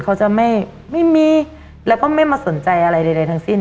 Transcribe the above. เขาจะไม่มีแล้วก็ไม่มาสนใจอะไรใดทั้งสิ้น